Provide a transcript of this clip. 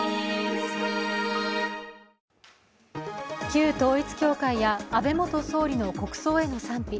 旧統一教会や、安倍元総理の国葬への賛否。